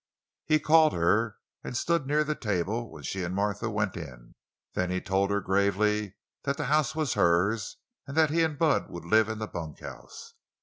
He called her, and stood near the table when she and Martha went in. Then he told her gravely that the house was "hers," and that he and Bud would live in the bunkhouse.